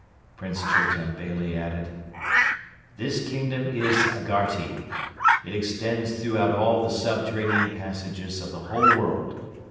Prince Chultun Beyli added: "This kingdom is Agharti. It extends throughout all the subterranean passages of the whole world.